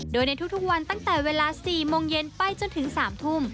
โดยในทุกวันตั้งแต่เวลา๔โมงเย็นไปจนถึง๓ทุ่ม